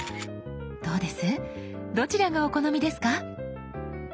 どうですどちらがお好みですか？